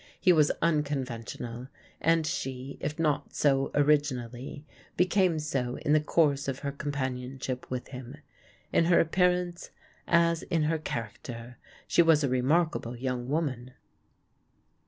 He was unconventional, and she, if not so originally, became so in the course of her companionship with him. In her appearance, as in her character, she was a remarkable young woman.